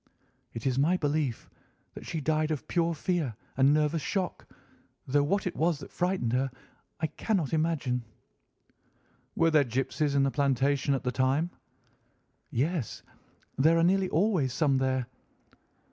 "It is my belief that she died of pure fear and nervous shock, though what it was that frightened her I cannot imagine." "Were there gipsies in the plantation at the time?" "Yes, there are nearly always some there."